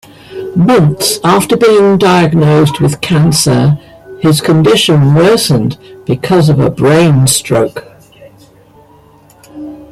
Months after being diagnosed with cancer, his condition worsened because of a brain stroke.